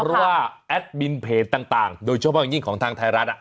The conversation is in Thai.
เพราะว่าแอดมินเพจต่างโดยเฉพาะอย่างยิ่งของทางไทยรัฐ